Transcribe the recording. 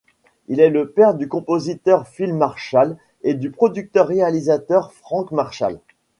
Il est le père du compositeur Phil Marshall et du producteur-réalisateur Frank Marshall.